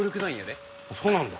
そうなんだ。